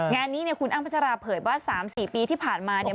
งานนี้เนี่ยคุณอ้ำพัชราเผยว่า๓๔ปีที่ผ่านมาเนี่ย